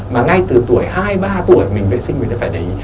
mà ngay từ tuổi hai ba tuổi mình vệ sinh mình phải để ý